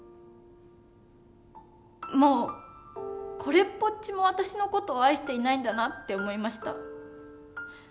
もうこれっぽっちも私の事を愛していないんだなって思いました。